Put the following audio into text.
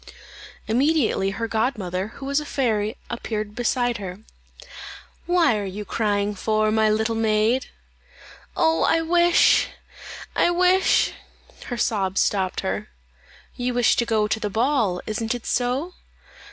Immediately her godmother, who was a fairy, appeared beside her. "What are you crying for, my little maid?" "Oh, I wish I wish " Her sobs stopped her. "You wish to go to the ball; isn't it so?"